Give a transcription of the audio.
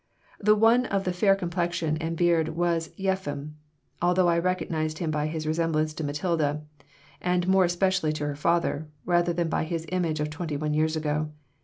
The one of the fair complexion and beard was Yeffim, although I recognized him by his resemblance to Matilda and more especially to her father, rather than by his image of twenty one years ago.